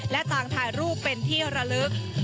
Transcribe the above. และต่างถ่ายรูปเป็นที่ระลึก